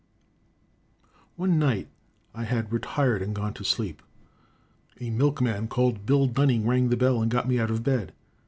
One night after I had retired and gone to sleep a milkman, called Bill Dunning, rang the bell and got me out of bed.